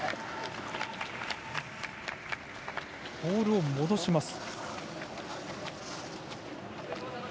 ボールを戻します。